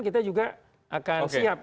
kita juga akan siap